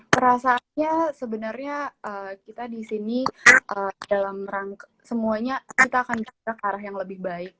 perasaannya sebenarnya kita di sini dalam rangka semuanya kita akan bergerak ke arah yang lebih baik